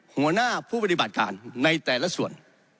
หัวหน้าผู้ปฏิบัติการในแต่ละส่วน